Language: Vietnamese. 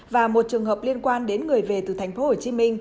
và một trường hợp liên quan đến người về từ tp hcm